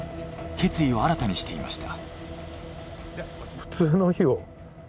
決意を新たにしていました。